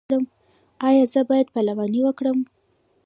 ایا زه باید پلوانی وکړم؟